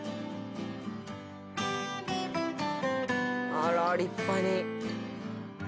あら立派に。